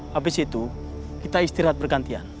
habis itu kita istirahat bergantian